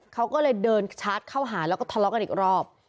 เขาก็เลยเดินชาร์จเข้าหาแล้วก็ทะเลาะกันอีกรอบ